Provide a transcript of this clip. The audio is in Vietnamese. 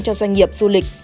cho doanh nghiệp du lịch